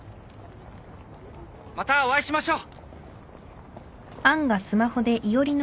またお会いしましょう！